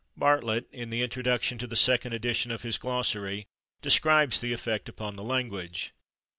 Bartlett, in the introduction to the second edition of his Glossary, describes the effect upon the language.